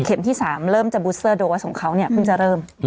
ที่๓เริ่มจะบูสเตอร์โดสของเขาเนี่ยเพิ่งจะเริ่ม